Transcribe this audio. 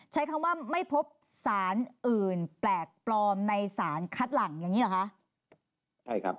ใช้คำว่าไม่พบสารอื่นแปลกปลอมในสารคัดหลังอย่างนี้เหรอคะใช่ครับ